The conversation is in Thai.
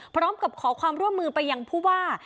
พร้อมกับขอความร่วมมือไปยังผู้ว่า